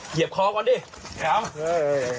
เหยียบคอก่อนดิระวังนะ